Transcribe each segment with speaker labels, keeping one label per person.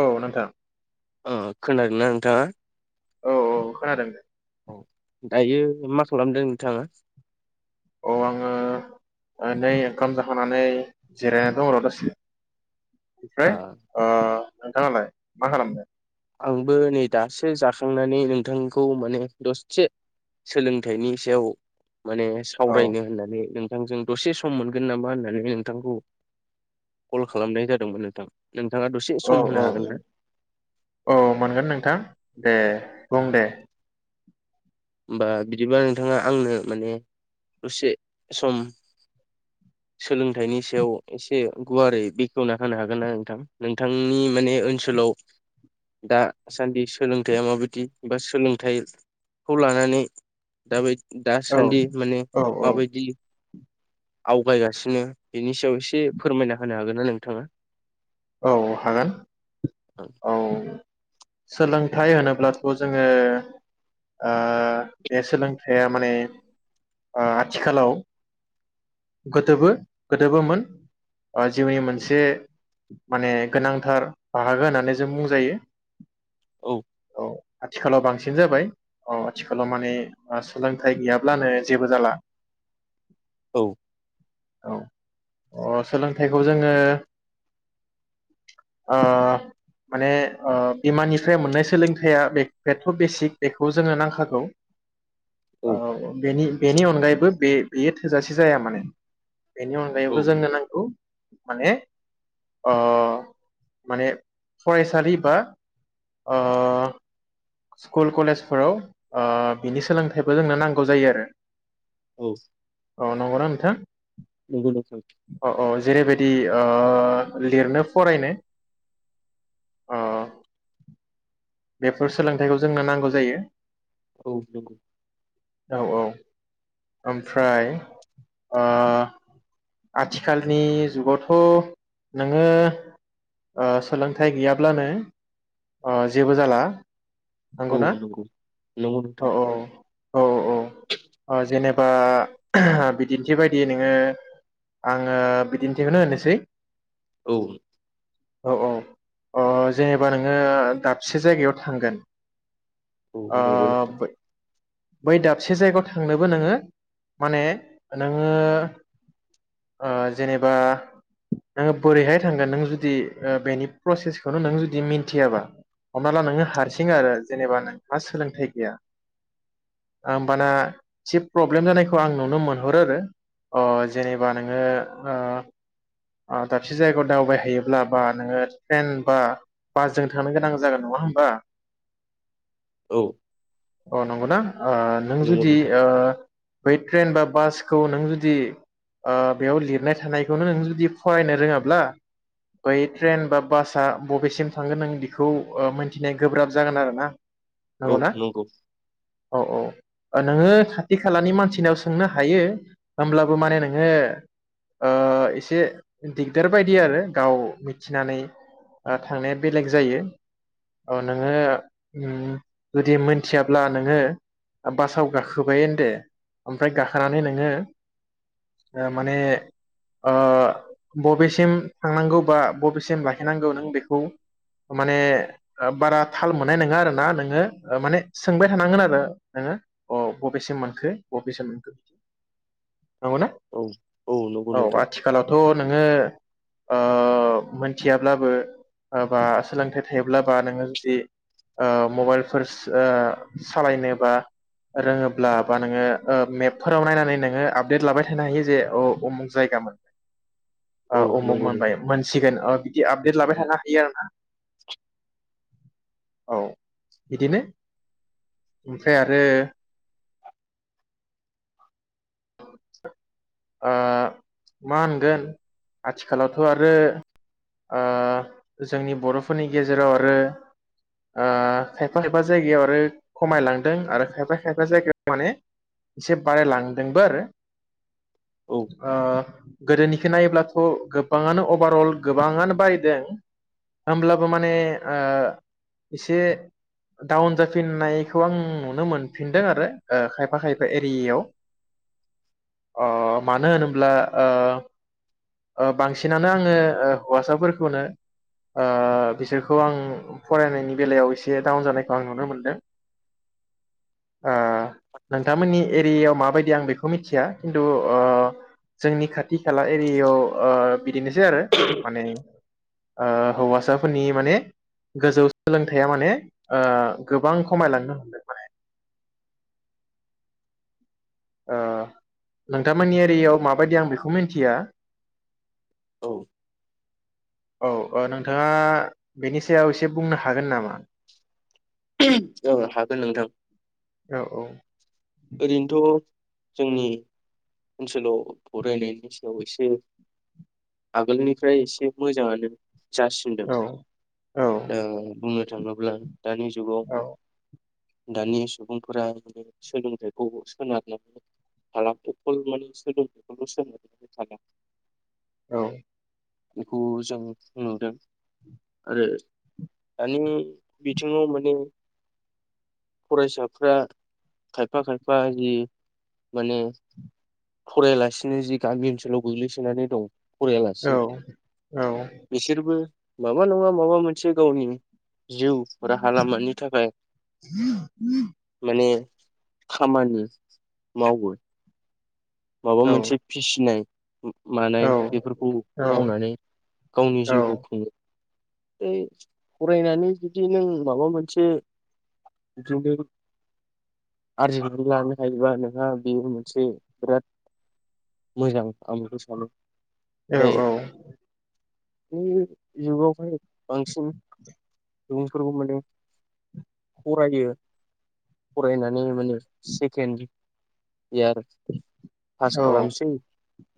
Speaker 1: औ नोंथां।
Speaker 2: अ खोनादोंना नोंथाङा।
Speaker 1: औ औ खोनादों।
Speaker 2: दायो मा खालामदों नोंथाङा?
Speaker 1: औ आङो नै ओंखाम जाखांनानै जिरायनानै दं र' दसे। ओमफ्राय
Speaker 2: ओ
Speaker 1: ओ नोंथाङालाय मा खालामदों?
Speaker 2: आंबो नै दासो जाखांनानै नोंथांखौ माने दसे सोलोंथाइनि सायाव माने
Speaker 1: औ
Speaker 2: सावरायनो होननानै नों जों दसे सम मोनगोन नामा होननानै नोंथांखौ कल खालामनाय जादोंमोन नोंथां। नोंथाङा दसे
Speaker 1: औ
Speaker 2: सम
Speaker 1: औ
Speaker 2: होनो हागोनना?
Speaker 1: औ मोनगोन नोंथां। दे बुं दे।
Speaker 2: होमबा बिदिबा नोंथाङा आंनो माने दसे सम सोलोंथाइनि सायाव एसे गुवारै बेखेवना होनानो हागोनना नोंथां नोंथांनि माने ओनसोलाव दासान्दि सोलोंथाइया माबायदि सोलोंथाइ खौ लानानै दा बे।
Speaker 1: औ
Speaker 2: दासान्दि माने
Speaker 1: औ औ
Speaker 2: माबायदि। आवगायगासिनो बेनि सायाव एसे फोरमायना होनो हागोन ना नोंथाङा
Speaker 1: औ हागोन औ सोलों थाइ होनोब्लाथ' जोङो ओ बे सोलोंथाइया माने आथिखालाव गोदोबो गोदोबोमोन ओ जिउनि मोनसे माने गोनांथार बाहागो होननानै जों बुंजायो
Speaker 2: औ
Speaker 1: आथिखालाव बांसिन जाबाय औ आथिखालाव माने सोलोंथाइ गैयाब्लानो जेबो जाला
Speaker 2: औ
Speaker 1: औ अ सोलोंथाइखौ जोङो ओ माने ओ बिमानिफ्राय मोननाय सोलोंथाइया बेथ' बेसिक बेखौ जोङो नांखागौ औ बेनि बेनि अनगायैबो बे-बेयो थोजासे जाया माने बेनि
Speaker 2: औ
Speaker 1: अनगायैबो जोंनो नांगौ माने ओ माने फरायसालि बा ओ स्कुल कलेजफोराव ओ बिनि सोलोंथाइबो जोंनो नांगौ जायो आरो
Speaker 2: औ
Speaker 1: औ नंगौना नोंथां
Speaker 2: ओ
Speaker 1: औ औ जेरैबायदि ओ लिरनो फरायनो ओ बेफोर सोलोंथाइखौ जोंनो नांगौ जायो
Speaker 2: औ नंगौ
Speaker 1: औ औ ओमफ्राय ओ आथिखालनि जुगावथ' नोङो ओ सोलोंथाइ गैयाब्लानो ओ जेबो जाला
Speaker 2: औ
Speaker 1: नंगौना
Speaker 2: नंगौ नंगौ
Speaker 1: औ
Speaker 2: नोंथां।
Speaker 1: औ औ औ ओ जेनेबा बिदिन्थि बायदि नोङो आङो बिदिन्थिखौनो होनोसै।
Speaker 2: औ
Speaker 1: औ औ ओ जेनेबा नोङो दा से जायगायाव थांगोन।
Speaker 2: औ नंगौ नोंथां
Speaker 1: ओ बै दाबसे जायगायाव थांनोबो नोङो माने नोङो ओ जेनेबा नोङो बोरैहाय थांगोन नों जुदि ओ बेनि प्रसेसखौनो नों जुदि मिथियाबा। हमना ला नोङो हारसिंआरो जेनेबा नोंहा सोलोंथाइ गैया होमबाना सि प्रब्लेम जानायखौ आं नुनो मोनहरो आरो अ जेनेबा नोङो ओ ओ दाबसे जायगायाव दावबायहायोब्ला बा नोङो ट्रेन बा बासजों थांनो गोनां जागोन नङा ओमबा?
Speaker 2: औ
Speaker 1: औ नंगौना ओ नों
Speaker 2: नंगौ
Speaker 1: जुदि
Speaker 2: नोंथां
Speaker 1: ओ बै ट्रेन बा बासखौ नों जुदि ओ बेयाव लिरनाय थानायखौनो नों जुदि फरायनो रोङाब्ला बै ट्रेन बा बासआ बबेसिम थांगोन नों बेखौ मोनथिनाया गोब्राब जागोन आरो ना?
Speaker 2: औ
Speaker 1: नंगौना
Speaker 2: नंगौ
Speaker 1: औ औ ओ नोङो खाथि खालानि मानसिनाव सोंनो हायो होमब्लाबो माने नोङो ओ इसे दिगदार बायदि आरो गाव मिथिनानै ओ थांनाया बेलेग जायो ओ नोङो जुदि मोनथियाब्ला नोङो बासाव गाखोबाय दे ओमफ्राय गाखोनानै नोङो ओ माने ओ बबेसिम थांनांगौ बा बबेसिम लाखिनांगौ नों बेखौ माने ओ बारा थाल मोननाय नोङा आरो ना नोङो ओ माने सोंबाय थानांगोन आरो नोङो अ बबेसिम मोनखो बबेसिम मोनखो बिदि नंगौना
Speaker 2: औ नंगौ
Speaker 1: औ
Speaker 2: नोंथां
Speaker 1: आथिखालावथ' नोङो ओ मोनथियाब्लाबो बा सोलोंथाइ थायाब्लाबो नोङो जुदि ओ मबाइलफोर ओ सालायनो बा रोङोब्ला बा नोङो मेपफोराव नायनानै नोङो आपडेट लाबाय थानो हायो जे अ उमुक जायगामोन ओ
Speaker 2: औ
Speaker 1: उमुक
Speaker 2: नंगौ
Speaker 1: मोनबाय
Speaker 2: नोंथां
Speaker 1: मोनसिगोन ओ बिदि आपडेट लाबाय थानो बिदि आरो ना औ बिदिनो ओमफ्राय आरो ओ मा होनगोन आथिखालावथ' आरो ओ जोंनि बर'फोरनि गेजेराव आरो ओ खायफा खायफा जायगायाव आरो खमायलांदों आरो खायफा खायफा जायगायाव माने एसे बारायलां नोंबो आरो
Speaker 2: औ
Speaker 1: ओ गोदोनिखौ नायोब्लाथ' गोबाङानो अभारअल गोबाङानो बायदों होमब्लाबो माने ओ एसे डाउन जाफिननायखौ आं नुनो मोनफिनदों आरो ओ खायफा खायफा एरियायाव। अ मानो होनोब्ला ओ ओ बांसिनानो आङो ओ हौवासाफोरखौनो ओ बिसोरखौ आं फरायनायनि बेलायाव इसे डाउन जानायखौ आं नुनो मोनदों। ओ नोंथांमोननि एरियायाव माब आं बेखौ मिथिया खिन्थु ओ जोंनि खाथि खाला एरियायाव ओ बिदिनोसै आरो माने ओ हौवासाफोरनि माने गोजौ सोलोंथाइया माने ओ गोबां खमायलांनो हमदों माने ओ नोंथांमोननि एरियायाव माबायदि आं बेखौ मिनथिया।
Speaker 2: औ
Speaker 1: औ ओ नोंथाङा बेनि सायाव एसे बुंनो हागोन नामा?
Speaker 2: ओं हागोन नोंथां
Speaker 1: औ
Speaker 2: ओरैनोथ' जोंनि ओनसोलाव फरायनायनि सायाव एसे आगोलनिफ्राय एसे मोजाङानो जासिनदों
Speaker 1: औ औ
Speaker 2: दा बुङो थाङोब्ला दानि जुगाव
Speaker 1: औ
Speaker 2: दानि सुबुंफोरा [unintelligible] सोलोंथाइखौ सोनारनानै [unintelligible] माने सोलोंथाइखौल' [unintelligible]
Speaker 1: औ
Speaker 2: बेखौ जों नुदों आरो दानि बिथिङाव मोन फरायसाफ्रा खायफा खायफा जि माने फरायालासिनो जि गामि ओनसोलाव गोग्लैसोनानै दं
Speaker 1: औ
Speaker 2: फरायालासिन बिसोरबो माबा नङा माबा मोनसे गावनि जिउ हा लामानि थाखाय माने खामानि मावो। माबा
Speaker 1: औ
Speaker 2: मोनसे फिसिनाय मानाय
Speaker 1: औ
Speaker 2: बेफोरखौ
Speaker 1: औ
Speaker 2: मावनानै गावनि जिउखौ खुङो। [unintelligible] फरायनानै जुदि नों माबा मोनसे बिदिनो आरजिनानै लानो हायोबा नोंहा बेयो मोनसे बिराद मोजां आं बेखौ सानो
Speaker 1: औ औ
Speaker 2: बे जुगावहाय बांसिन सुबुंफोरखौ माने फरायो फरायनानै माने सेकेण्ड [unintelligible] पास
Speaker 1: औ
Speaker 2: खालामसै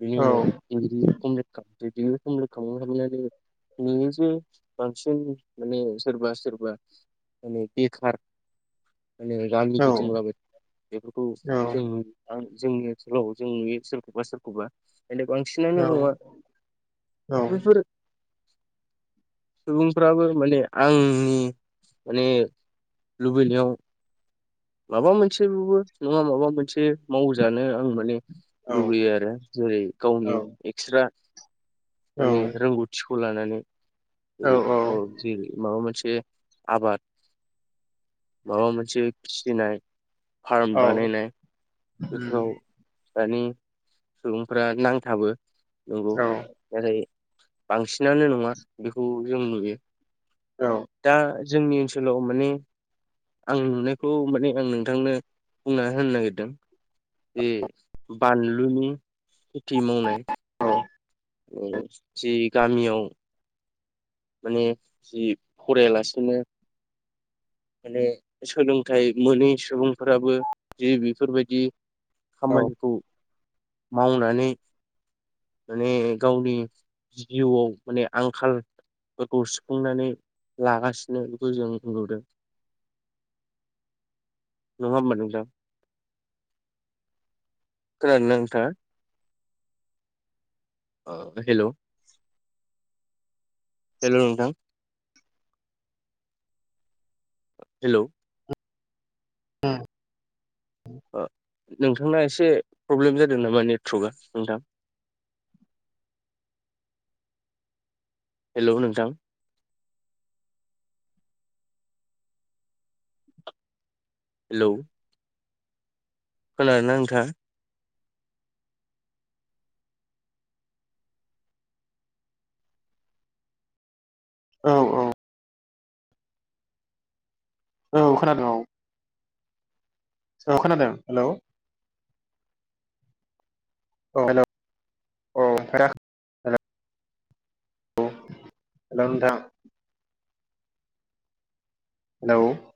Speaker 2: बिनि
Speaker 1: औ
Speaker 2: उनाव दिग्रि कमप्लिट खा दिग्रि कमप्लिट खालामखांनायनि उनाव नुयोजे बांसिन माने सोरबा सोरबा माने बेखार मानै गामि
Speaker 1: औ औ
Speaker 2: गिदिंलाबाय बेफोरखौ जों नु आं जोंनि ओनसोलाव जों नुयो सोरखौबा सोरखौबा। माने बांसिनानो नङा
Speaker 1: औ उम
Speaker 2: बेफोर सुबुंफ्राबो माने आंनि माने लुबैनायाव माबा मोनसेबाबो नङा माबा मोनसे मावजानो आं माने
Speaker 1: औ
Speaker 2: लुबैयो आरो जेरै गावनि एक्सट्रा माने
Speaker 1: औ
Speaker 2: रोंगौथि खौ लानानै जेरै अ जेरै माबा मोनसे बे आबाद माबा मोनसे फिसिनाय फार्म
Speaker 1: औ
Speaker 2: बानायनाय बेफोराव दानि सुबुंफ्रा नांथाबो नंगौ जेरै बांसिनानो नङा बेखौ जों नुयो। दा जोंनि ओनसोलाव माने आं नुनायखौ माने आं नोंथांनो बुंना होनो नागिरदों। बे बानलुनि खेथि मावनाय
Speaker 1: [inaudible]
Speaker 2: जि गामियाव माने जि फरायालासिनो माने सोलोंथाइ मोनै सुबुंफोराबो जि बेफोरबायदि खामानिखौ मावनानै माने गावनि जिउआव माने आंखालफोरखौ सुफुंनानै लागासिनो बेखौ जों नुबोदों। नङा ओमबा नोंथां। खोनादोंना नोंथाङा? हेलौ। हेलौ नोंथां। हेलौ।
Speaker 1: उम।
Speaker 2: नोंथांना एसे प्रब्लेम जादों नामा नेटवर्कआ नोंथां हेलौ नोंथां। हेलौ। खोनादोंना नोंथाङा?
Speaker 1: औ औ। औ खोनादों औ औ खोनादों हेलौ औ [unintelligible] हेलौ नोंथां। हेलौ।